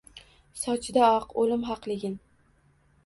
Sochida oq – oʼlim haqligin